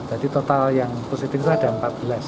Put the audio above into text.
jadi total yang positif itu ada empat belas